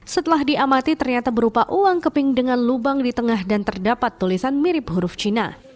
setelah diamati ternyata berupa uang keping dengan lubang di tengah dan terdapat tulisan mirip huruf cina